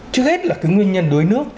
trước hết là nguyên nhân đuối nước